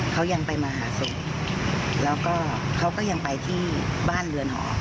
เขายังไปมาหาศพแล้วก็เขาก็ยังไปที่บ้านเรือนหอ